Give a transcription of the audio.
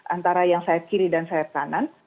antara yang sayap kiri dan sayap kanan